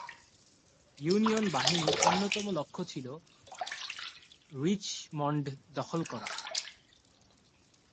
Union বাহিনীর অন্যতম লক্ষ্য ছিল রিচমন্ড দখল করা।